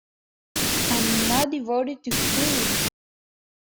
I am not devoted to food!